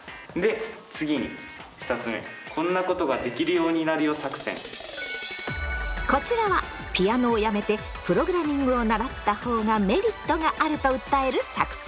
あなるほどね。こちらはピアノをやめてプログラミングを習った方がメリットがあると訴える作戦。